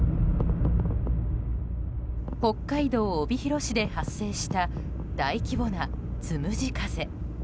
北海道帯広市で発生した大規模なつむじ風。